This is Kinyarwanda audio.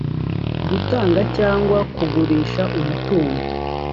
gutanga cyangwa kugurisha umutungo